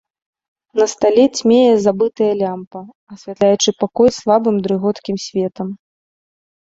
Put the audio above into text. На стале цьмее забытая лямпа, асвятляючы пакой слабым дрыготкім светам.